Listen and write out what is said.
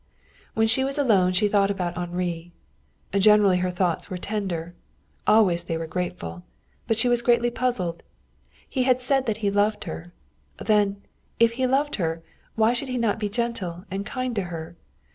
When she was alone she thought about Henri. Generally her thoughts were tender; always they were grateful. But she was greatly puzzled. He had said that he loved her. Then, if he loved her, why should he not be gentle and kind to her?